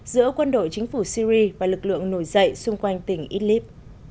giữa quân đội chính phủ syri và lực lượng nổi dậy xung quanh tỉnh idlib